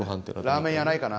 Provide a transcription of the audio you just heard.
ラーメン屋ないかな。